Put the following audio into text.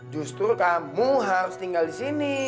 justru kamu harus tinggal disini